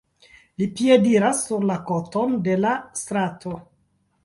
Li piediras sur la koton de la strato.